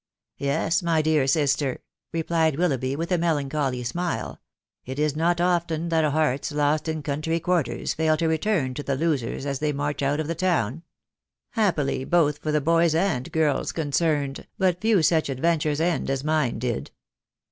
" Yes, my dear sister," replied Willoughby, with a melan choly smile ;<( it is not often that hearts, lost in country quar ters, fail to return to the losers as they march out of the town. Happily both for the boys and girls concerned, but few such adventures end as mine did."